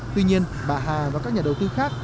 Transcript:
tuy nhiên bà hà và các nhà đầu tư khác